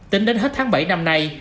tính đến hết tháng bảy năm nay